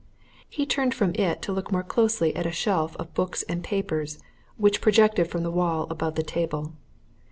He turned from it to look more closely at a shelf of books and papers which projected from the wall above the table.